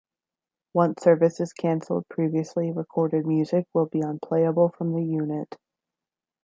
Once service is canceled previously recorded music will be unplayable from the unit.